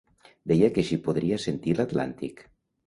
Deia que així podria sentir l'Atlàntic.